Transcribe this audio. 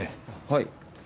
はい。